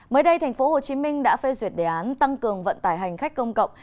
mới đây thành phố hồ chí minh đã phê duyệt đề án tăng cường vận tải hành khách công cộng